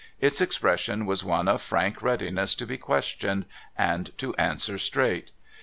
Its expression was one of frank readiness to be questioned, and to answer straight.